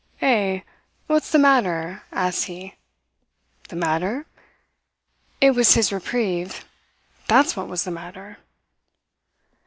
"'Eh? What's the matter?' asks he. "The matter! It was his reprieve that's what was the matter.